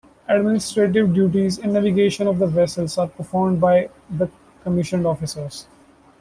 Administrative duties and navigation of the vessels are performed by the commissioned officers.